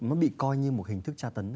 nó bị coi như một hình thức tra tấn